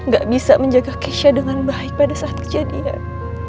gak bisa menjaga keisha dengan baik pada saat kejadian